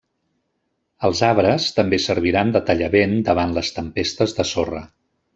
Els arbres també serviran de tallavent davant les tempestes de sorra.